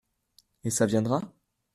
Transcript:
Et ça viendra ?